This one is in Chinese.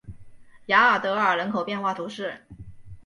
雅尔德尔人口变化图示